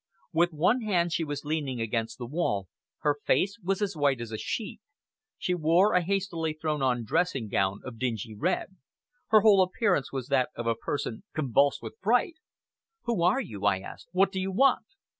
With one hand she was leaning against the wall, her face was as white as a sheet; she wore a hastily thrown on dressing gown of dingy red. Her whole appearance was that of a person convulsed with fright. "Who are you?" I asked. "What do you want?"